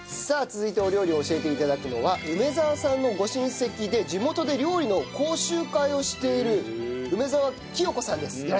さあ続いてお料理を教えて頂くのは梅澤さんのご親戚で地元で料理の講習会をしている梅澤清子さんです。